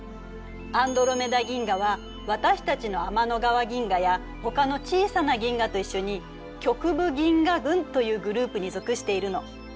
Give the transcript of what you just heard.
アンドロメダ銀河は私たちの天の川銀河やほかの小さな銀河と一緒に局部銀河群というグループに属しているの。